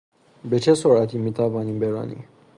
به چه سرعتی میتوانی برانی؟